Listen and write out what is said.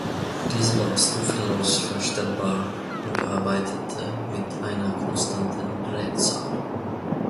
Diese war stufenlos verstellbar und arbeitete mit einer konstanten Drehzahl.